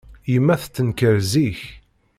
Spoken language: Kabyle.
Yemma tettenkar zik.